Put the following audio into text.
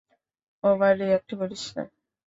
Over react করিস না।